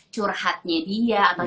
curhatnya dia atau